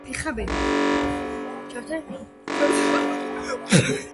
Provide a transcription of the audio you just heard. მისი მოვლენები ვითარდება ნიუ-იორკში.